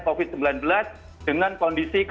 covid sembilan belas dengan kondisi